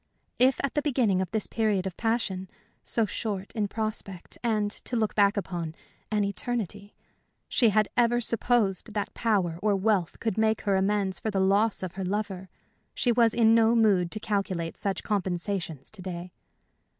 If at the beginning of this period of passion so short in prospect, and, to look back upon, an eternity she had ever supposed that power or wealth could make her amends for the loss of her lover, she was in no mood to calculate such compensations to day.